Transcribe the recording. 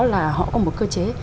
là họ có một cơ chế